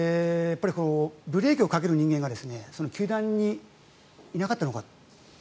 ブレーキをかける人間が球団にいなかったのか。